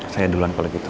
saya duluan kalau gitu